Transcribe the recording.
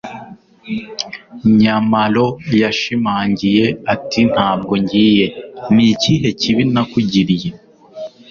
nyamalo yashimangiye ati ntabwo ngiye. ni ikihe kibi nakugiriye